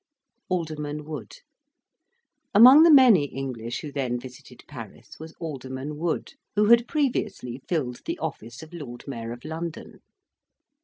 ALDERMAN WOOD Among the many English who then visited Paris was Alderman Wood, who had previously filled the office of Lord Mayor of London.